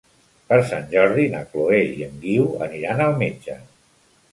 Per Sant Jordi na Chloé i en Guiu aniran al metge.